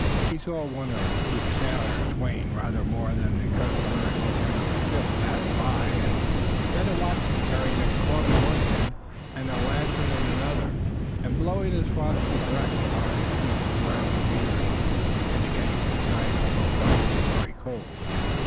He saw one or two sailors swaying rather more than the customary motion of a ship, pass by, and then a watchman carrying a club in one hand and a lantern in the other, and blowing his frosty breath upon his thick brown beard, indicating that the night although bright was very cold.